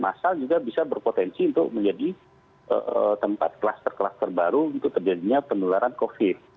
masal juga bisa berpotensi untuk menjadi tempat kluster kluster baru untuk terjadinya penularan covid